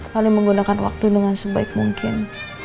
paling menggunakan waktu dengan sebaik mungkin